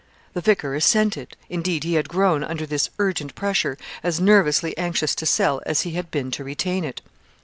The vicar assented; indeed, he had grown, under this urgent pressure, as nervously anxious to sell as he had been to retain it.